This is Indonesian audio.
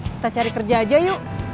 kita cari kerja aja yuk